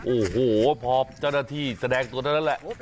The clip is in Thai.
โอ้โหพอเจ้าหน้าที่แสดงตัวเท่านั้นแหละ